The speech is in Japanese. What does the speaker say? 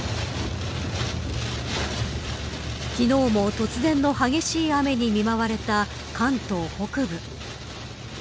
昨日も突然の激しい雨に見舞われた関東北部。